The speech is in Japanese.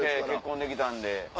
結婚できたんで。